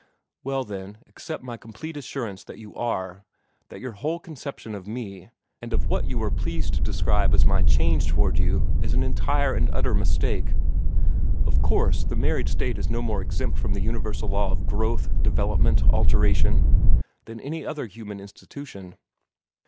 "Well, then, accept my complete assurance that you ARE that your whole conception of me, and of what you are pleased to describe as my change toward you, is an entire and utter mistake. Of course, the married state is no more exempt from the universal law of growth, development, alteration, than any other human institution.